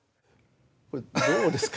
これどうですか？